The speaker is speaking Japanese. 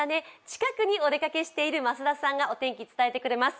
近くにお出かけしている増田さんがお天気を伝えてくれます。